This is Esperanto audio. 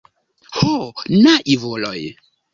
Ho naivuloj!